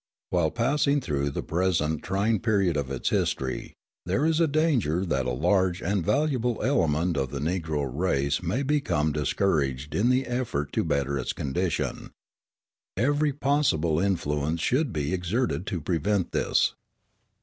While passing through the present trying period of its history, there is danger that a large and valuable element of the Negro race may become discouraged in the effort to better its condition. Every possible influence should be exerted to prevent this.